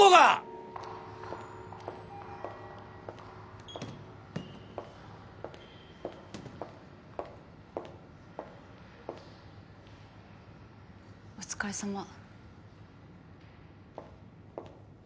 ピッお疲れさま。